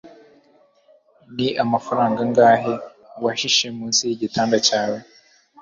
ni amafaranga angahe wahishe munsi yigitanda cyawe